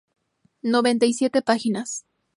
Noventa y siete páginas.